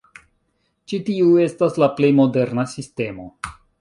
Ĉi tiu estas la plej moderna sistemo.